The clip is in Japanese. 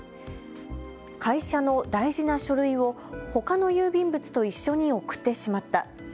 会社の大事な書類をほかの郵便物と一緒に送ってしまった。